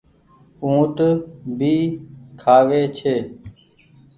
اُٽ ڀي کآوي ڇي۔